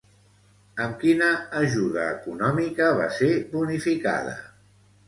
Amb quina ajuda econòmica va ser bonificada?